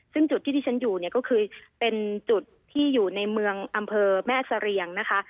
ซึ่งจุดที่ที่ฉันอยู่เนี่ยก็คือเป็นจุดที่อยู่ในเมืองอำเภอแม่เสรียงนะคะ